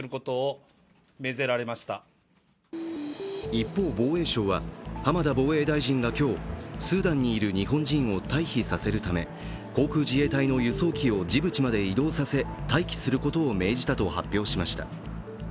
一方、防衛省は浜田防衛大臣が今日スーダンにいる日本人を待避させるため航空自衛隊の輸送機をジブチまで移動させ、待機することを命じたと発表しました。